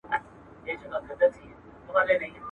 o د ځوانۍ يوه نشه ده، هسي نه چي همېشه ده.